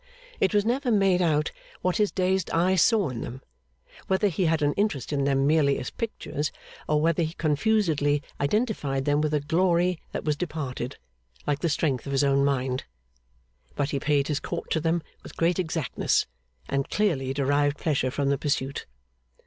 It was never made out what his dazed eyes saw in them; whether he had an interest in them merely as pictures, or whether he confusedly identified them with a glory that was departed, like the strength of his own mind. But he paid his court to them with great exactness, and clearly derived pleasure from the pursuit.